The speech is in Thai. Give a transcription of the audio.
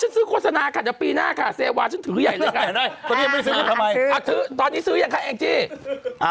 อ๋อฉันซื้อโฆษณาค่ะแต่ปีหน้าค่ะเสวาะฉันถือใหญ่เลยจ้ะ